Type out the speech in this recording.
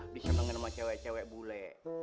bisa ngenge sama cewek cewek bule